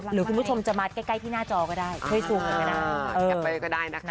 หรือคุณผู้ชมจะมาต์ใกล้ใกล้ที่หน้าจอก็ได้เข้าไปก็ได้นะคะ